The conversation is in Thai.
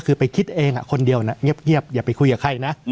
คือไปคิดเองคนเดียวนะเงียบอย่าไปคุยกับใครนะ